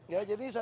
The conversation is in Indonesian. ya jadi satu hal